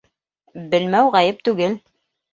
Белмәү ғәйеп түгел